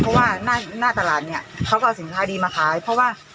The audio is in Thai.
เพราะว่าหน้าตลาดเนี่ยเขาก็เอาสินค้าดีมาขายเพราะว่า